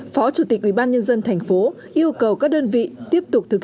phó chủ tịch ubnd tp yêu cầu các đơn vị tiếp tục thực